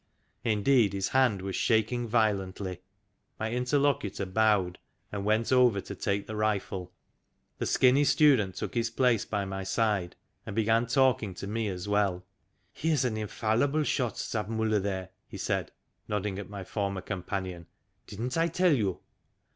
Indeed his hand was shaking violently. My interlocutor bowed, and went over to take the rifle. The skinny student took his place by my side, and began talking to me as well. " He 's an infallible shot that Miiller there," he said, nodding at my former companion. ... "Didn't I tell you?"